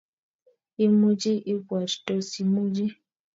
Imuchi ibwaat, Tos imuchi?